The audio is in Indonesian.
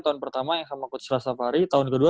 tahun pertama sama coach rastafari tahun kedua